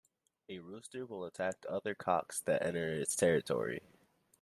A rooster will attack other cocks that enter its territory.